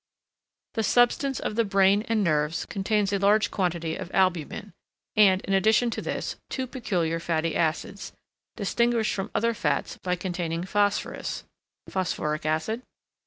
The substance of the brain and nerves contains a large quantity of albumen, and, in addition to this, two peculiar fatty acids, distinguished from other fats by containing phosphorus (phosphoric acid?).